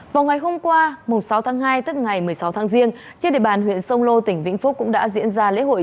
vào ngày hôm qua sáu tháng hai tức ngày một mươi sáu tháng riêng trên địa bàn huyện sông lô tỉnh vĩnh phúc cũng đã diễn ra lễ hội